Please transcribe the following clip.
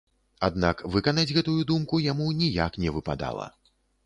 Аднак выканаць гэтую думку яму ніяк не выпадала.